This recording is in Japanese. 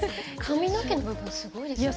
髪の毛の部分すごいですね。